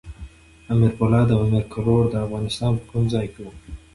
امیر پولاد او امیر کروړ د افغانستان په کوم ځای کې وو؟